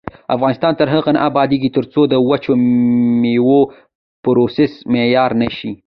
افغانستان تر هغو نه ابادیږي، ترڅو د وچو میوو پروسس معیاري نشي.